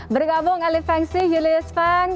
bergabung ali fengsi julius feng